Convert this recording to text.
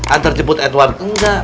anterciput edward enggak